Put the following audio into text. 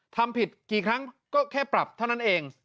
ทำผิดกี่ครั้งก็แค่ปรับเท่านั้นเอง